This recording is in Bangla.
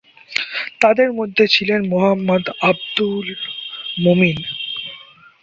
তাদের মধ্যে ছিলেন মোহাম্মদ আবদুল মমিন।